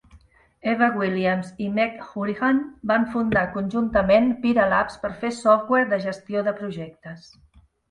Evan Williams i Meg Hourihan van fundar conjuntament Pyra Labs per fer software de gestió de projectes.